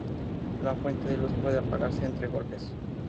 La fuente de luz puede apagarse entre golpes.